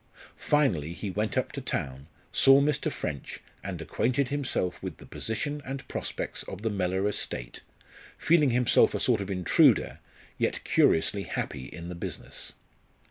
Finally, he went up to town, saw Mr. French, and acquainted himself with the position and prospects of the Mellor estate, feeling himself a sort of intruder, yet curiously happy in the business.